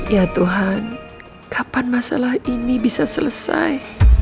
ya tuhan kapan masalah ini bisa selesai